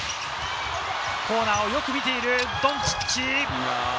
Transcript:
コーナーをよく見ているドンチッチ。